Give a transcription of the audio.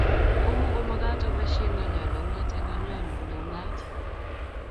komukomagat aposhe ngalyo neungat eng ngolyo nyu ne ungat